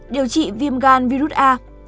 điều trị viêm gan virus a